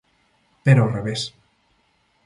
Pero ao revés.